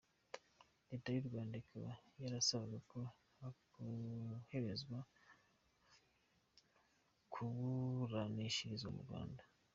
Leta y’u Rwanda ikaba yarasabaga ko yakoherezwa kuburanishirizwa mu Rwanda.